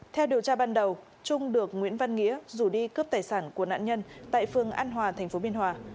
theo điều tra ban đầu trung được nguyễn văn nghĩa rủ đi cướp tài sản của nạn nhân tại phường an hòa tp biên hòa